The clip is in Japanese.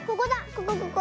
ここここ。